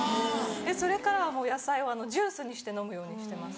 それからは野菜はジュースにして飲むようにしてます。